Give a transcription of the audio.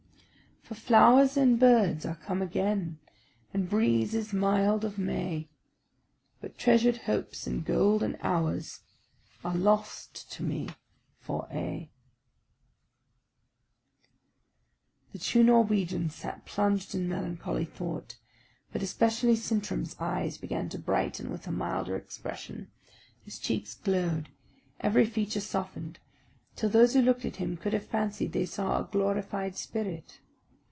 For flowers and birds are come again, And breezes mild of May, But treasured hopes and golden hours Are lost to me for aye!" The two Norwegians sat plunged in melancholy thought; but especially Sintram's eyes began to brighten with a milder expression, his cheeks glowed, every feature softened, till those who looked at him could have fancied they saw a glorified spirit.